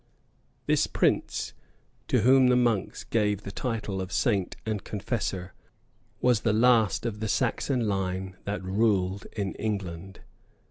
] This prince, to whom the monks gave the title of Saint and Confessor, was the last of the Saxon line that ruled in England.